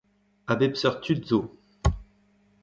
A bep seurt tud zo.